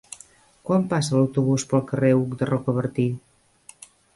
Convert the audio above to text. Quan passa l'autobús pel carrer Hug de Rocabertí?